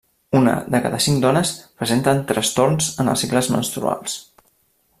Una de cada cinc dones presenten trastorns en els cicles menstruals.